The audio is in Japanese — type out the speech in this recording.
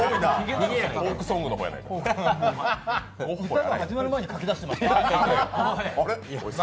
歌が始まる前に描き出してました。